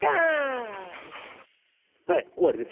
はいおわりです。